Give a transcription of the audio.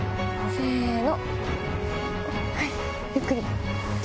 せの！